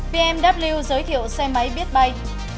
bmw giới thiệu xe máy biết bay